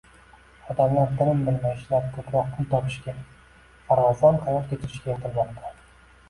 Odamlar tinim bilmay ishlab ko‘proq pul topishga, farovon hayot kechirishga intilmoqda.